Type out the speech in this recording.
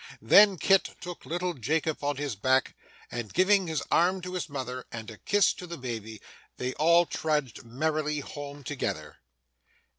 Then, Kit took little Jacob on his back, and giving his arm to his mother, and a kiss to the baby, they all trudged merrily home together.